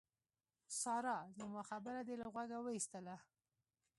سارا! زما خبره دې له غوږه واېستله.